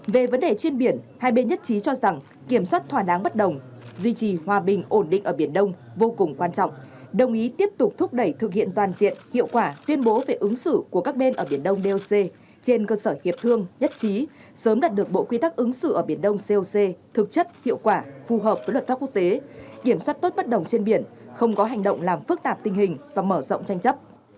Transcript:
về vấn đề trên biển hai bên nhất trí cho rằng kiểm soát thỏa đáng bất đồng duy trì hòa bình ổn định ở biển đông vô cùng quan trọng đồng ý tiếp tục thúc đẩy thực hiện toàn diện hiệu quả tuyên bố về ứng xử của các bên ở biển đông doc trên cơ sở hiệp thương nhất trí sớm đạt được bộ quy tắc ứng xử ở biển đông coc thực chất hiệu quả phù hợp với luật pháp quốc tế kiểm soát tốt bất đồng trên biển không có hành động làm phức tạp tình hình và mở rộng tranh chấp